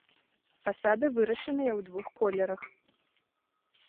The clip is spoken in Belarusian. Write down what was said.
Фасады вырашаныя ў двух колерах.